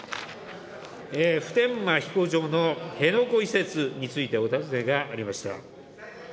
普天間飛行場の辺野古移設についてお尋ねがありました。